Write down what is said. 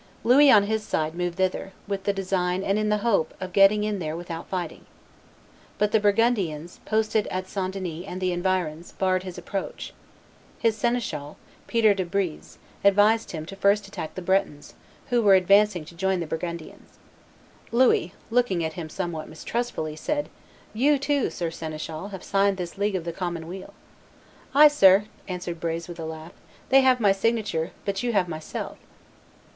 Louis, on his side, moved thither, with the design and in the hope of getting in there without fighting. But the Burgundians, posted at St. Denis and the environs, barred his approach. His seneschal, Peter de Breze, advised him to first attack the Bretons, who were advancing to join the Burgundians. Louis, looking at him somewhat mistrustfully, said, "You, too, Sir Seneschal, have signed this League of the Common Weal." "Ay, sir," answered Brez, with a laugh, "they have my signature, but you have myself."